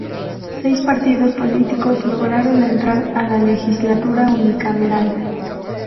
Seis partidos políticos lograron entrar a la legislatura unicameral.